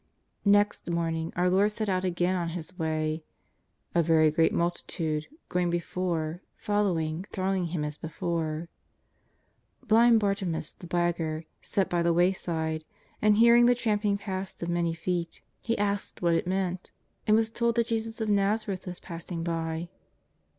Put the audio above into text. !N'ext morning our Lord set out again on His way, " a very great multitude " going before, following, thronging Him as before. Blind Bartimeus, the beggar, sat by the wayside, and, hearing the tramping past of many feet, he asked what JESUS OF NAZARETH. 301 it meant, and was told that Jesus of ISTazareth was pass ing by.